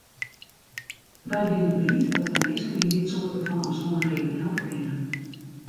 Wy binne bliid dat wy minsken yn dit soarte fan omstannichheden helpe kinne.